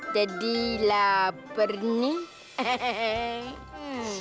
jadi lapar nih